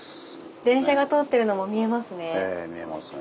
電車が通ってるのも見えますね。